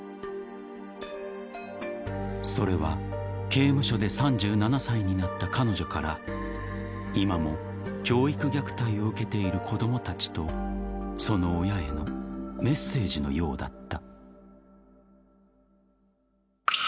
［それは刑務所で３７歳になった彼女から今も教育虐待を受けている子供たちとその親へのメッセージのようだった］